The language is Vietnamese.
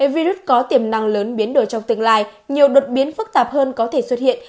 virus có tiềm năng lớn biến đổi trong tương lai nhiều đột biến phức tạp hơn có thể xuất hiện